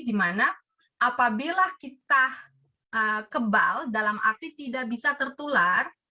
dimana apabila kita kebal dalam arti tidak bisa tertular